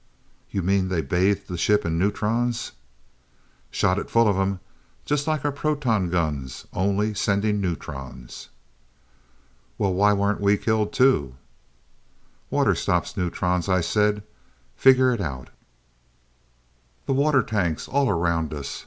"You mean they bathed that ship in neutrons?" "Shot it full of 'em. Just like our proton guns, only sending neutrons." "Well, why weren't we killed too?" "'Water stops neutrons,' I said. Figure it out." "The rocket water tanks all around us!